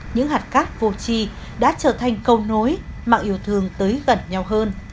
những hạt cát vô chi đã trở thành câu nối mạng yêu thương tới gần nhau hơn